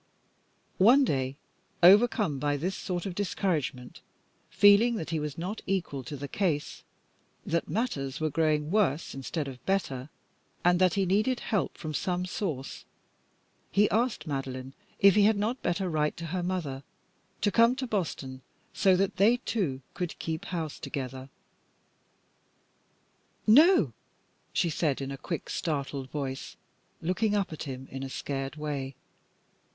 One day overcome by this sort of discouragement, feeling that he was not equal to the case, that matters were growing worse instead of better, and that he needed help from some source, he asked Madeline if he had not better write to her mother to come to Boston, so that they two could keep house together. "No," she said in a quick, startled voice, looking up at him in a scared way.